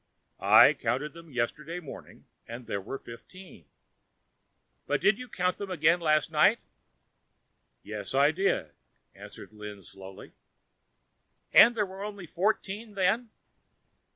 "I counted them yesterday morning and there were fifteen." "But did you count them again last night?" "Yes, I did," answered Lin slowly. "And there were only fourteen then?"